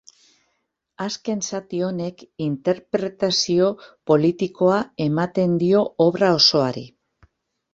Azken zati honek interpretazio politikoa ematen dio obra osoari.